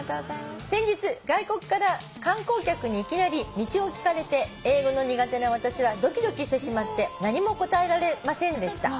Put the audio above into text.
「先日外国から観光客にいきなり道を聞かれて英語の苦手な私はドキドキしてしまって何も答えられませんでした」